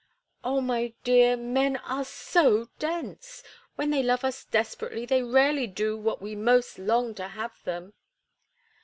"Oh, my dear, men are so dense. When they love us desperately they rarely do what we most long to have them.